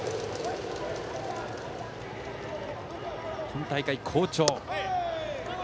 今大会、好調。